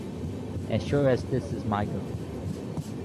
As sure as this is my girl!